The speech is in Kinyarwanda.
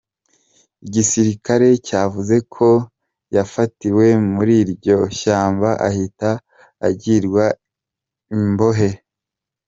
Igisirikare cyavuze ko yafitiwe muri iryo shyamba ahita agirwa imbohe.